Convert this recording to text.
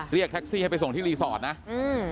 เรียกแท็กซี่ให้ไปส่งที่รีสอร์ทนะอืม